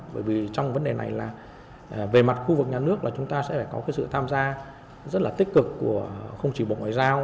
bởi vì trong vấn đề này là về mặt khu vực nhà nước là chúng ta sẽ phải có cái sự tham gia rất là tích cực của không chỉ bộ ngoại giao